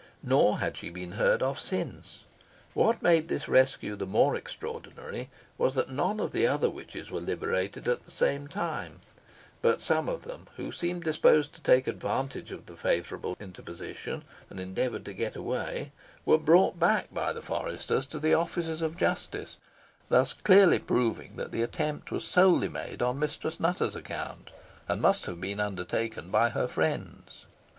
Nor had she been heard of since. What made this rescue the more extraordinary was, that none of the other witches were liberated at the same time, but some of them who seemed disposed to take advantage of the favourable interposition, and endeavoured to get away, were brought back by the foresters to the officers of justice; thus clearly proving that the attempt was solely made on Mistress Nutter's account, and must have been undertaken by her friends.